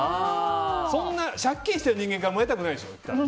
そんな借金している人間からもらいたくないでしょ？